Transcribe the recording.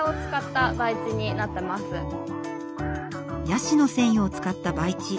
ヤシの繊維を使った培地。